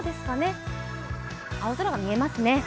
青空が見えますね。